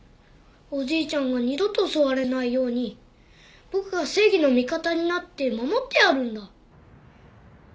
おじいちゃんが二度と襲われないように僕が正義の味方になって守ってやるんだ。